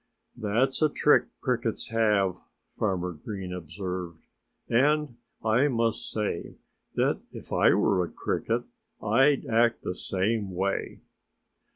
"That's a trick Crickets have," Farmer Green observed. "And I must say that if I were a Cricket I'd act the same way."